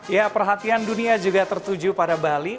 ya perhatian dunia juga tertuju pada bali